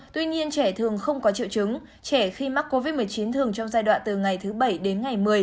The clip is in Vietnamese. tuy nhiên trẻ thường không có triệu chứng trẻ khi mắc covid một mươi chín thường trong giai đoạn từ ngày thứ bảy đến ngày một mươi